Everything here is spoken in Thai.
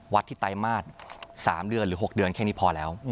วัดที่ไตรมาส๓เดือนหรือ๖เดือนแค่นี้พอแล้ว